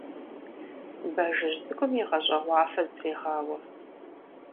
Бажэжь цӀыкӀум игъэщӀэгъуафэ зытрегъауэ.